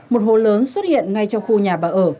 một hồ lớn xuất hiện ngay trong khu nhà bà ở